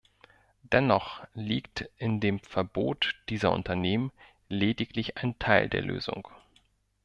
Dennoch liegt in dem Verbot dieser Unternehmen lediglich ein Teil der Lösung.